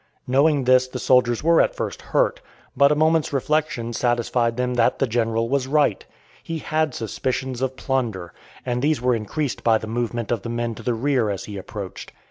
Knowing this the soldiers were at first hurt, but a moment's reflection satisfied them that the General was right. He had suspicions of plunder, and these were increased by the movement of the men to the rear as he approached.